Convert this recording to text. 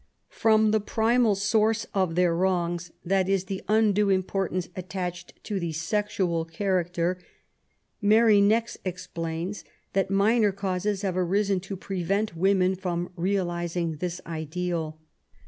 From the primal source of their wrongs— that is, the undue importance attached to the sexual character — Mary next explains that minor causes have arisen to prevent women from realizing this ideal.